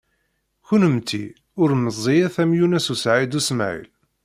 Kennemti ur meẓẓiyit am Yunes u Saɛid u Smaɛil.